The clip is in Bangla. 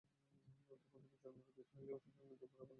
তখন তুমি জন্মের অতীত হইলে, সুতরাং মৃত্যুরও পারে উপনীত হইলে।